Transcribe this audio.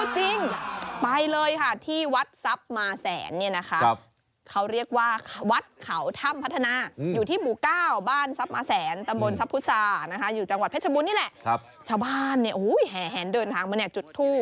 ชาวบ้านเนี้ยโอ้โหแหนเดินหลังมาเนี่ยจุดทู่